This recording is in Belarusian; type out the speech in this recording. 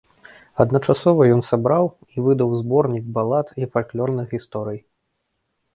Адначасова ён сабраў і выдаў зборнік балад і фальклорных гісторый.